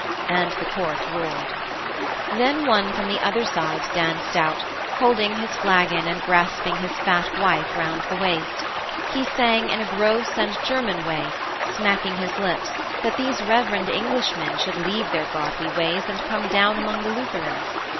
and the Court roared. Then one from the other side danced out, holding his flagon and grasping his fat wife round the waist. He sang in a gross and German way, smacking his lips, that these reverend Englishmen should leave their godly ways and come down among the Lutherans.